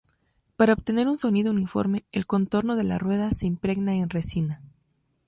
Para obtener un sonido uniforme, el contorno de la rueda se impregna en resina.